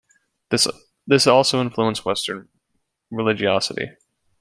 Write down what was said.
This also influenced western religiosity.